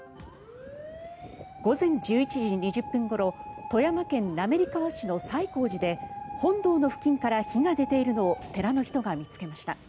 午前１１時２０分ごろ富山県滑川市の西光寺で本堂の付近から火が出ているのを寺の人が見つけました。